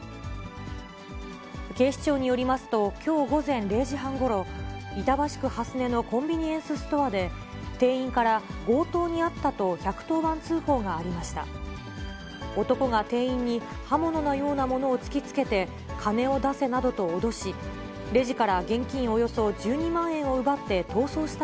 警視庁によりますと、きょう午前０時半ごろ、板橋区蓮根のコンビニエンスストアで、店員から強盗に遭ったと１１０番通報がありました。